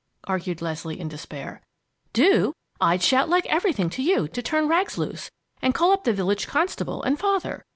argued Leslie in despair. "Do? I'd shout like everything to you to turn Rags loose and call up the village constable and Father.